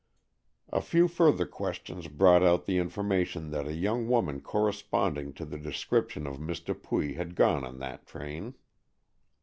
A few further questions brought out the information that a young woman corresponding to the description of Miss Dupuy had gone on that train.